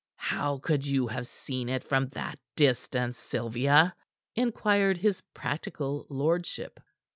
"How could you have seen it from that distance, Sylvia?" inquired his practical lordship.